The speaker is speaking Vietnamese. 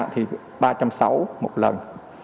thì ba trăm sáu mươi một lần